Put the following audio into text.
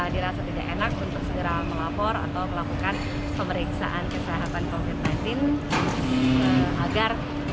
dirasa tidak enak untuk segera melapor atau melakukan pemeriksaan kesehatan covid sembilan belas agar